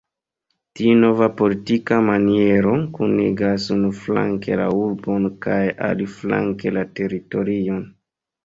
Tiu nova politika maniero, kunigas unuflanke la urbon kaj aliflanke la teritorion.